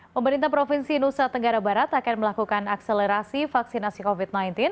pemerintah provinsi nusa tenggara barat akan melakukan akselerasi vaksinasi covid sembilan belas